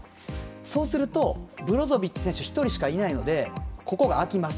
そうするとブロゾビッチ選手１人しかいないのでここが空きます。